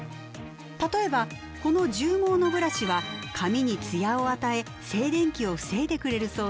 例えばこの獣毛のブラシは髪にツヤを与え静電気を防いでくれるそうです。